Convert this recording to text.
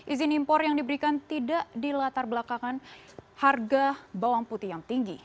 izin impor yang diberikan tidak dilatar belakangan harga bawang putih yang tinggi